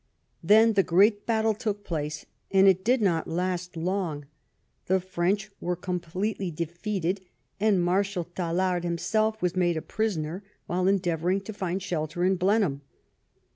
Then the great battle took place, and it did not last long. The French were completely defeated, and Marshal Tallard himself was made a prisoner while endeavor ing to find shelter in Blenheim.